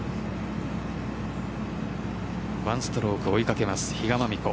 １ストローク、追いかけます比嘉真美子。